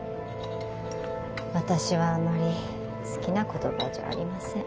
私はあまり好きな言葉じゃありません。